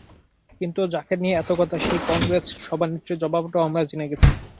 কিন্তু যাকে নিয়ে এত কথা সেই কংগ্রেস সভানেত্রীর জবাবটাও আমরা জেনে গেছি।